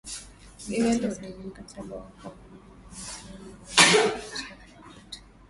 na kutia saini mkataba wa pamoja wa usalama na viongozi majeshi hayo ya nato